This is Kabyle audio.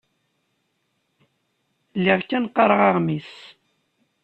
Lliɣ kan qqareɣ aɣmis.